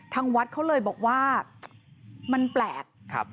ทางวัดเขาเลยบอกว่ามันแปลก